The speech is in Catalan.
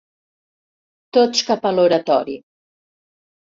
Tots cap a l'oratori.